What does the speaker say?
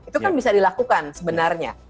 itu kan bisa dilakukan sebenarnya